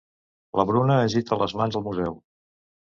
La Bruna agita les mans al museu.